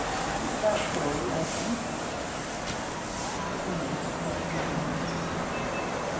She's about forty, I think.' I mused for a few moments.